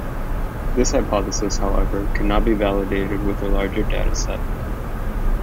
This hypothesis however could not be validated with a larger data set.